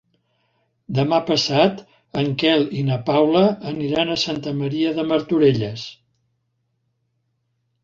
Demà passat en Quel i na Paula aniran a Santa Maria de Martorelles.